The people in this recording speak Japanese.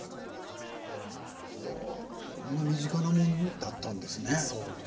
こんなに身近なものだったんですね。